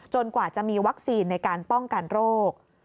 กว่าจะมีวัคซีนในการป้องกันโรค